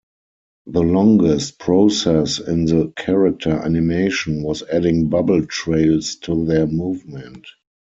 The longest process in the character animation was adding bubble trails to their movement.